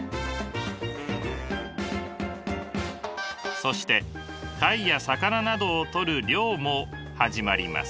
そして貝や魚などを取る漁も始まります。